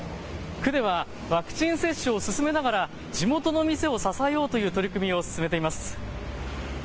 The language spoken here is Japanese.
区ではワクチン接種を進めながら地元の店を支えようという取り組みを進めています。